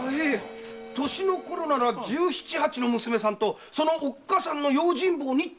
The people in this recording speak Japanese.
歳の頃なら十七・八の娘さんとそのおっかさんの用心棒にって。